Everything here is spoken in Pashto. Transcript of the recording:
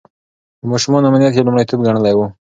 د ماشومانو امنيت يې لومړيتوب ګڼلی و.